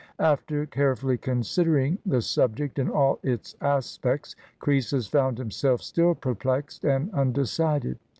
303 PERSIA After carefully considering the subject in all its aspects, Croesus found himself still perplexed and undecided.